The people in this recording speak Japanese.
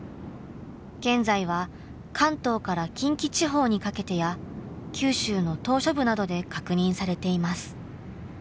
現在は関東から近畿地方にかけてや九州の島嶼部などで確認されています。